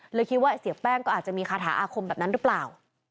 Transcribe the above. เลยคิดว่าเสียแป้งก็อาจจะมีคาถาอาคมแบบนั้นหรือเปล่า